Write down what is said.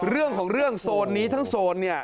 เรื่องของเรื่องโซนนี้ทั้งโซนเนี่ย